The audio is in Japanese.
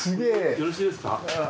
よろしいですか？